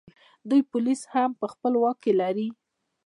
دوی پولیس هم په خپل واک کې لري